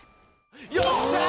よっしゃー！